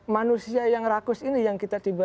manusia yang rakus ini yang kita tiba